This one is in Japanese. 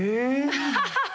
・ハハハハ！